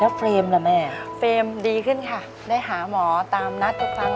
เฟรมล่ะแม่เฟรมดีขึ้นค่ะได้หาหมอตามนัดทุกครั้ง